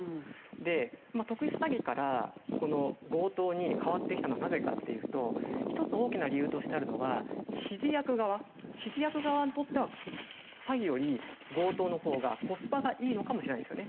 で特殊詐欺から強盗に変わってきたのはなぜかっていうと１つ大きな理由としてあるのは指示役側指示役側にとっては詐欺より強盗のほうがコスパがいいのかもしれないですよね。